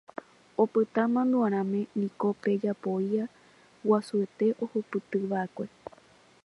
Opyta mandu'arãme niko pe jopói guasuete ohupytyva'ekue